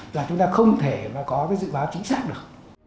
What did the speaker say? là chúng ta không thể có dự báo chính xác được